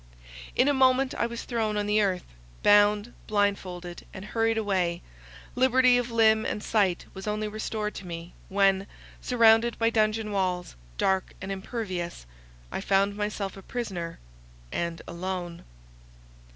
In a moment I was thrown on the earth, bound, blindfolded, and hurried away —liberty of limb and sight was only restored to me, when, surrounded by dungeon walls, dark and impervious, I found myself a prisoner and alone.